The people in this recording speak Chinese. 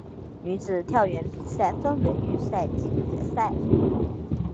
女子跳远比赛分为预赛及决赛。